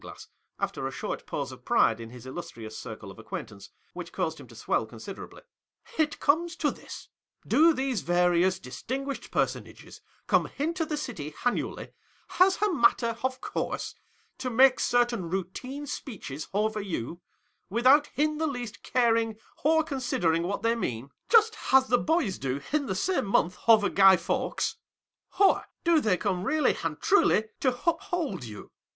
•;/ ass, ai'ti r :i short pause of pride in his illustrious circle of acquaintance, which caused him to swell considerably, "it < to this. Do these various distinguished per sons come into the city annually, ;>s a matter of course, to make certain routine speeches over you, without in the least caring or con sidering what they mean — just as the boys do, in the same month, over Guy Fawkes ; or do they come really and truly to uphold you.